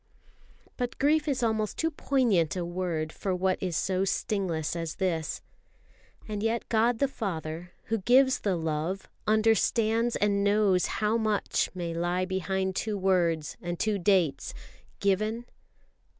But grief is almost too poignant a word for what is so stingless as this. And yet God the Father, who gives the love, understands and knows how much may lie behind two words and two dates. "Given